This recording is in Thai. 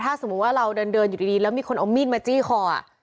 ถ้าสมมุติว่าเราเดินอยู่ดีแล้วมีคนเอามีดมาจี้คอ